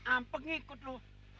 ampe ngikut lu